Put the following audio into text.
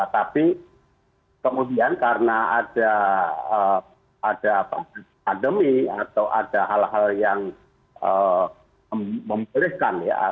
tapi kemudian karena ada pandemi atau ada hal hal yang membolehkan ya